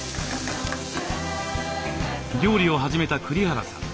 料理を始めた栗原さん。